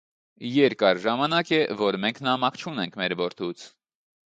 Երկար ժամանակ է, որ մենք նամակ չունենք մեր որդուց: